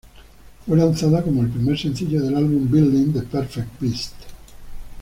Fue lanzada como el primer sencillo del álbum "Building the Perfect Beast".